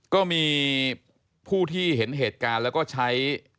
ก็มีผู้ที่เห็นเหตุการณ์แล้วก็ใช้